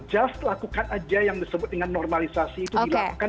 just lakukan aja yang disebut dengan normalisasi itu dilakukan di mana mana di planet ini